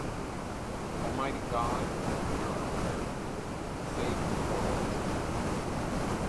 Almighty God, hear our prayer today; save the Poles.